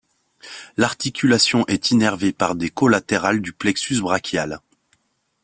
L'articulation est innervée par des collatérales du plexus brachial.